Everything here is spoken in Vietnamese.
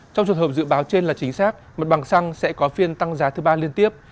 trong trường hợp dự báo trên là chính xác mặt bằng xăng sẽ có phiên tăng giá thứ ba liên tiếp